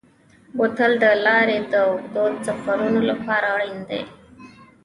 بوتل د لارې د اوږدو سفرونو لپاره اړین دی.